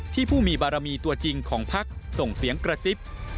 ผู้มีบารมีตัวจริงของพักส่งเสียงกระซิบ